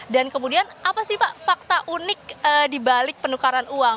dan kemudian apa sih pak fakta unik dibalik penukaran uang